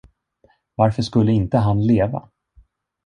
Varför skulle inte han leva?